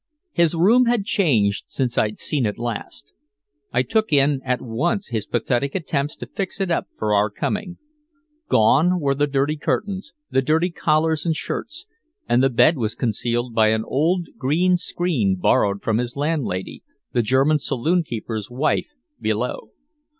His room had changed since I'd seen it last, I took in at once his pathetic attempts to fix it up for our coming. Gone were the dirty curtains, the dirty collars and shirts, and the bed was concealed by an old green screen borrowed from his landlady, the German saloon keeper's wife below.